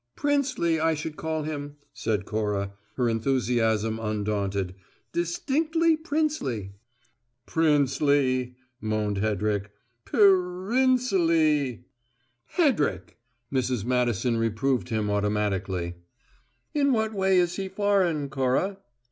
"Princely, I should call him," said Cora, her enthusiasm undaunted. "Distinctly princely!" "Princely," moaned Hedrick. "Pe rin sley!" "Hedrick!" Mrs. Madison reproved him automatically. "In what way is he `foreign,' Cora?"